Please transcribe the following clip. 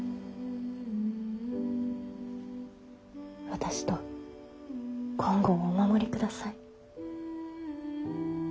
私と金剛をお守りください。